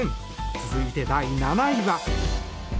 続いて第７位は。